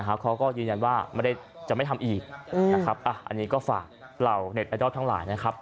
เขาก็ยืนยันว่าจะไม่ทำอีกอันนี้ก็ฝากเราเน็ตไอดอลทั้งหลายนะครับ